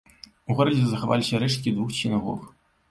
У горадзе захаваліся рэшткі двух сінагог.